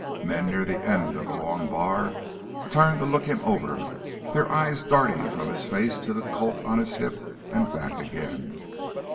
Men near the end of the long bar turned to look him over, their eyes darting from his face to the Colt on his hip and back again.